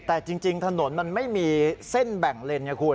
แต่จริงถนนมันไม่มีเส้นแบ่งเลนไงคุณ